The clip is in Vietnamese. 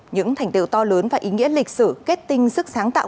những thành tiệu to lớn và ý nghĩa lịch sử kết tinh sức sáng tạo